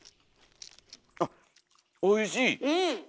あっおいしい。